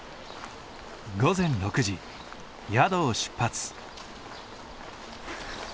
午前６時宿を出発。